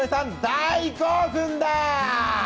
大興奮だ。